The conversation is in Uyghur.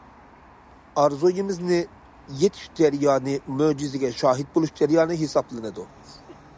ئارزۇيىمىزنى يېتىش جەريانى مۆجىزىگە شاھىت بولۇش جەريانى ھېسابلىنىدۇ.